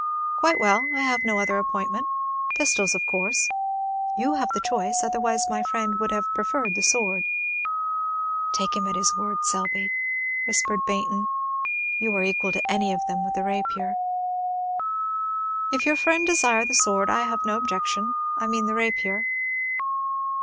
"Quite well. I have no other appointment. Pistols, of course?" "You have the choice, otherwise my friend would have preferred the sword." "Take him at his word, Selby," whispered Baynton; "you are equal to any of them with the rapier." "If your friend desire the sword, I have no objection, I mean the rapier."